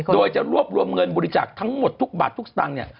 โดยจะรวบรวมเงินบริจาคทั้งหมดทุกบัตรทุกตัง